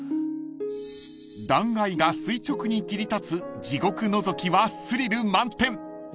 ［断崖が垂直に切り立つ地獄のぞきはスリル満点］